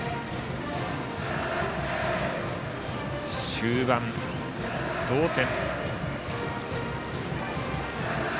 終盤、同点。